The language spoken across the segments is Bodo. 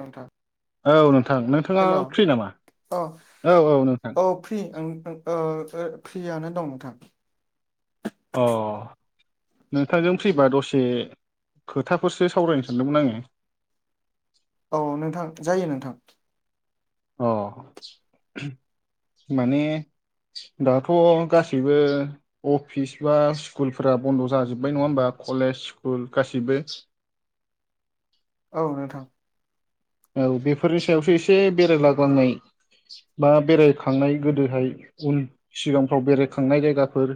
नोंथां औ नोंथां नोंथाङा हेल' औ फ्रि नामा औ औ नोंथां। फ्रि ओ फ्रियानो दं नोंथां। अ नोंथांजों फ्रिबा दसे खोथाफोरसो सावरायनो सानदोंमोन आङो। औ नोंथां जायो नोंथां। अ माने दाथ' गासैबो अफिस बा स्कुलफोरा बन्द' जाजोब्बाय नङा होमबा कलेज स्कुल गासिबो औ नोंथां औ बेफोरनि सायावसो एसे बेरायलाग्लांनाय बा बेरायखांनाय गोदोहाय उन सिगांफ्राव बेरायखांनाय जायगाफोर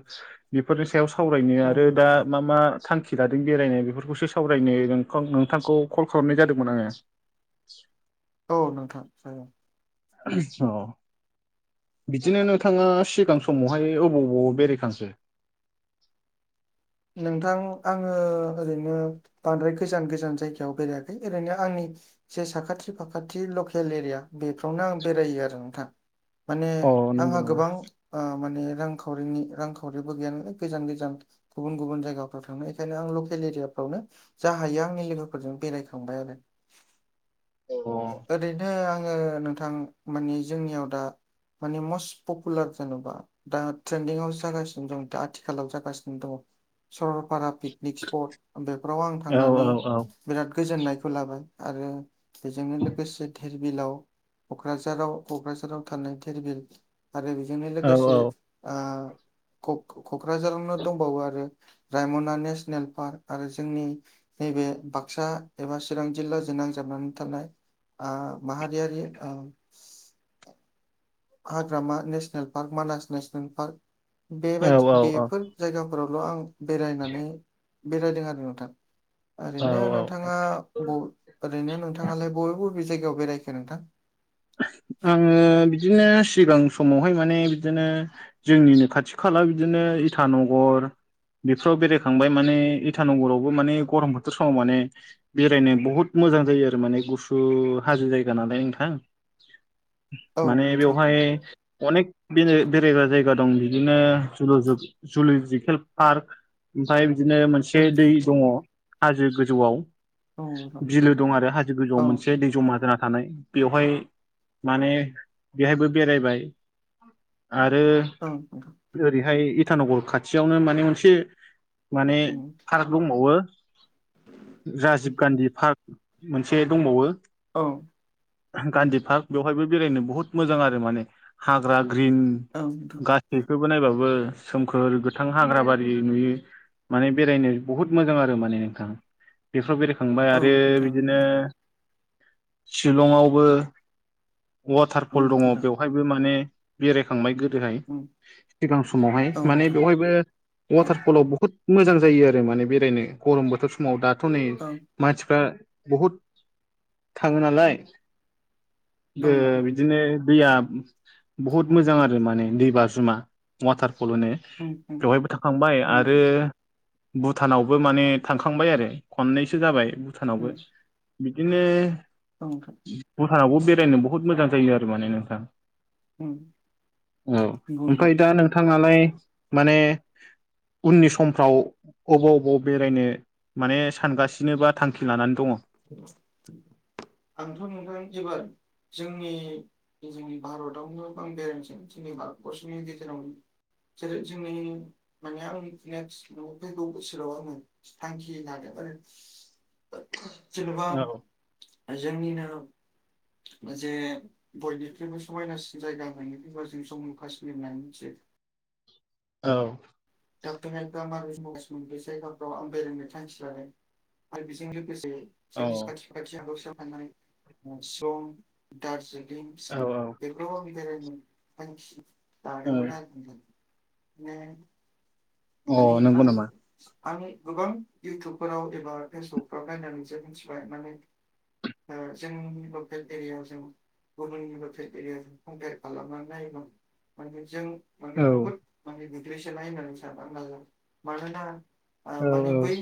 बेफोरनि सायाव सावरायनो उम आरो दा मा मा थांखि लादों बेरायनो बेफोरखौसो सावरायनो नों- नोंथांखौ कल खालामनाय जादोंमोन आङो। [inaudible] औ नोंथां हागोन। ओथस अ बिदिनो नोंथाङा सिगां समावहाय अबाव अबाव बेरायखांखो? नोंथां आङो ओरैनो बांद्राय गोजान गोजान जायगायाव बेरायाखै ओरैनो आंनि जे साखाथि फाखाथि लकेल एरिया बेफ्रावनो आं बेरायो आरो नोंथां। माने अ नंगौ आंहा नामा? गोबां ओ माने रांखावरिनि रांखावरिबो गैया नालाय गोजान गोजान गुबुन गुबुन जायगाफ्राव थांनो बेखायनो आं लकेल एरियाफ्रावनो जा हायो आंनि लोगोफोरजों बेरायखांबाय आरो। अ ओरैनो आङो नोंथां माने जोंनियाव दा माने मस्ट पपुलार जेनोबा दा ट्रेन्दिंआव जागासिनो दं दा आथिखालाव जागासिनो दं। सरलपारा पिकनिक स्पट बेफोराव आं औ थांनानै औ बिराद गोजोननायखौ लाबाय आरो बेजोंनो लोगोसे धिरबिलाव क'क्राझाराव क'क्राझाराव थानाय धिरबिल। आरो बेजोंनो औ लोगोसे ओ क'क्राझारावनो दंबावो आरो रायमना नेसनेल पार्क आरो जोंनि नैबे बाक्सा एबा चिरां जिल्लाजों नांजाबनानै थानाय ओ माहारियारि ओ हाग्रामा national park Manas national park औ बेबायदि औ औ बेफोर जायगाफोरावल' आं बेरायनानै बेरायदों आरो नोंथां औ ओरैनो औ नोंथाङा ओरैनो नोंथाङालाय बबे बबे जायगायाव बेरायखो नोंथां? आङो बिदिनो सिगां समावहाय माने बिदिनो जोंनिनो खाथि खाला बिदिनो इटानगर बेफोराव बेरायखांबाय माने इटानगरावबो माने गरम बोथोर समाव माने बेरायनो बहुत मोजां जायो आरो माने गुसु हाजो जायगा नालाय नोंथां। औ माने नोंथां बेवहाय अनेक बे बेरायग्रा जायगा दं बिदिनो ज जुल'जिकेल पार्क ओमफ्राय बिदिनो मोनसे उम दै नोंथां दङ हाजो गोजौआव औ नोंथां बिलो दं आरो हाजो औ गोजौआव मोनसे दै जमा जाना थानाय बेवहाय माने बेहायबो बेरायबाय आरो औ नोंथां। ओरैहाय इटानगर खाथियावनो माने मोनसे माने उम फार्क दंबावो राजिब गान्धी पार्क मोनसे दंबावो औ उम गान्धी पार्क बेवहायबो बेरायनो बुहुत मोजां आरो माने हाग्रा ग्रिन ओं बेथ' बेखोबो नायबाबो सोमखोर गोथां हाग्रा बारि नुयो। माने बेरायनो बहुद मोजां आरो माने नोंथां। बेफोराव बेरायखांबाय औ आरो नोंथां नंगौ बिदिनो शलंआवबो वाटार उम फल दङ नोंथां बेवहायबो माने बेरायखांबाय गोदोहाय। उम सिगां समावहाय औ माने नोंथां बेवहायबो औ वाटार फलाव बुहुद मोजां जायो आरो माने बेरायनो गरम बोथोर समाव दाथ' नै औ मानसिफ्रा बहुद थाङो नालाय गो औ नोंथां बि बिदिनो दैया बहुद मोजां आरो माने दै बाज्रुमा वाटारफल होनो। उम उम बेवहायबो थाखांबाय औ आरो नोंथां भुटानावबो माने थांखांबाय आरो खननैसो जाबाय भुटानावबो। उम बिदिनो औ नोंथां। हरावब बेरायनो बहुत मोजां जायो आरो माने नोंथां। उम औ नंगौ नोंथां ओमफ्राय दा नोंथाङालाय माने उननि समफ्राव अबाव अबाव बेरायनो माने सानगासिनो बा थांखि लानानै दङ आंथ' नोंथां एबार जोंनि जोंनि भारतआवनो बां बेरायनोसै जोंनि भारतबर्सनि गेजेरावनो जेरै जोंनि माने आं मिथिनायाव सिलंआवफैगौ बोसोराव आङो थांखि लादो आरो जेन'बा जोंनिनो जे बयनिख्रुइबो समायनासिन जायगा मोननो फबा जों जम्मु काश्मीर होननानै मिथि औ। दा [unintelligible] माबे जायगाफ्राव आं बेरायनो थांखि लादों आरो बेजों लोगोसे जोंनि साखाथि फाखाथि हादोराव थानाय सनानै सम दारजिलिं औ [unintelligible] थांखि औ दादोंमोन आरो [unintelligible] ओ माने अ नंगौ आं नामा आं गोबां इयउटुबफोराव एबा फेसबुकफोराव नायनानैसो मिथिबाय माने ओ जोंनि लकेल एरियायाव जों गुबुननिबो [unintelligible] कमपेयार खालामनानै नायोमं माने जों माने औ बुहुत माने गोग्लैसोलाय होननानै साना लानाय जायो मानोना आ औ माने बै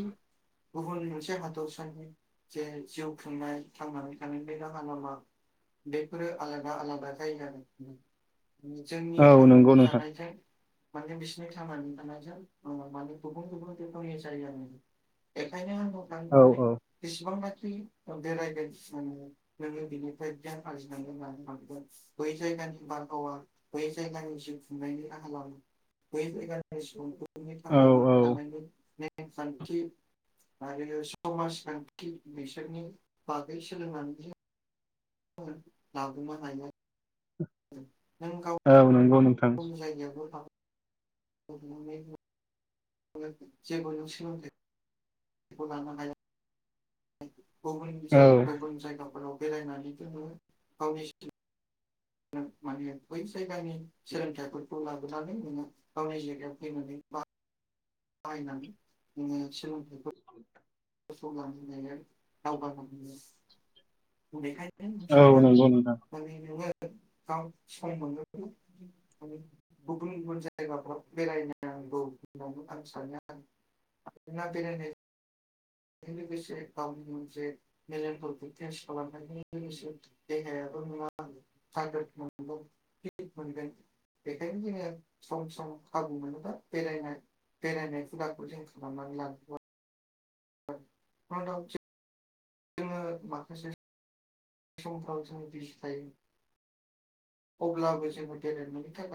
गुबुन मोनसे हादरसानि जे जिउ खुंनाय थांनानै थानाय बे राहा लामा बेफोरो आलादा आलादा जायोनालाय [unintelligible] जोंनि औ थानानै नंगौ नोंथां थानायजों माने बिसिनि थांनानै थानायजों मानि गुबुन गुबुन रोखोमनि जायो आरो। एखायनो औ [unintelligible] माने औ बेसेबांनाखि बेरायगोन जिसेबांनो नोङो बिनिफ्राय गियान आरजिनांनै मानो हगोन। बै जायगानि बारहावा बै जायगानि जिउ खुंनायनि राहा लामा बै जायगा सुबुंफोरनि औ थांनानै थानाय औ नेमखान्थि आरो लोगोसे समाजखान्थि बिसोरनि बागै सोलोंनानै जो [unintelligible] ओं नों गाव औ नंगौ नों खम जायगायावबो थनानै जेबो नों सोलोंथो [unintelligible] बेखौ लांनो हाजागोन [unintelligible] गुबुन औ गुबुन जायगाफोराव बेरायनानैथ' नोङो गावनि [unintelligible] माने बै जायगानि सोलोंथाइफोरखौ लाबोनानै नोङो गावनि जायगायाव फैनानै बा बायनानै जोंनि सोलोंथाइखौ फसंनानै होनोन दावगां [unintelligible] बेेखायनो औ सानबागोन नंगौ नोंथां [unintelligible] माने नोङो ग सम मोनगोन माने [unintelligible] गुबुन गुबुन जायगाफ्राव बेरायनांगौ होननानै आं सानो आरो बे [unintelligible] बे लोगोसे गावनि मोनसे मेलेमफोरखौ फ्रेस खालामनायनि लोगोसे देहायाब' नङा मोन मोनगोन [unintelligible] बेखायनो जोङो सम सम खाबु मोनोबा बेरायनाय बेरायनाय हुदाखौ जों खालामनानै लानांगौ [unintelligible] जोङो माखासे समफ्राव जोङो बिजि थायो। अब्लाबो जोङो गेलेनायनि थाखाय